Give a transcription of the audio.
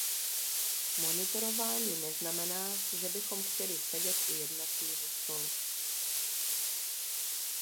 Monitorování neznamená, že bychom chtěli sedět u jednacího stou.